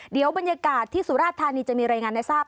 เดี๋ยวบรรยากาศที่สุราชธานีจะมีรายงานให้ทราบ